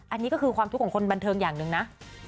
อันนี้ก็คือความทุกข์ของคนบันเทิงอย่างหนึ่งนะ